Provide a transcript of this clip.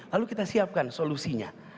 lalu kita siapkan solusinya